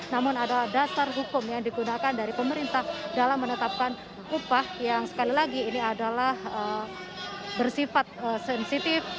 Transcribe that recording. namun adalah dasar hukum yang digunakan dari pemerintah dalam menetapkan upah yang sekali lagi ini adalah bersifat sensitif